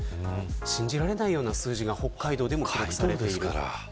信じられないような数字が北海道でも観測されています。